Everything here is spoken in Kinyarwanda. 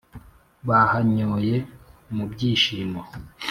Bahanyoye mu byishimo.